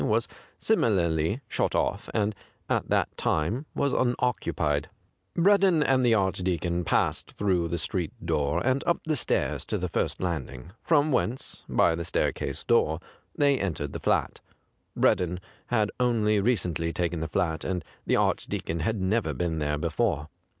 Avas similarly shut off, and at that time was unoccupied. 169 I THE GRAY CAT Breddon and tlie Archdeacon passed through the street door and up the stairs to the first landing, from whence, by the staircase door, they entered the flat. Breddon had only recently taken the flat, and the Archdeacon had never been there before.